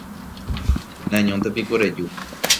Neañóntepiko reju